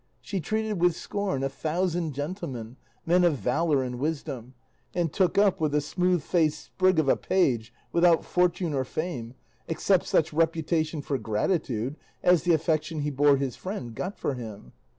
She treated with scorn a thousand gentlemen, men of valour and wisdom, and took up with a smooth faced sprig of a page, without fortune or fame, except such reputation for gratitude as the affection he bore his friend got for him.